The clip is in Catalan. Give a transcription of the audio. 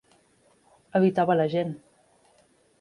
Evitava la gent.